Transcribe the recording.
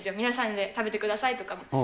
皆さんで食べてくださいとかも。